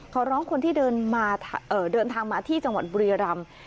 ขอร้องคนที่เดินทางมาที่จังหวัดบุรีรำ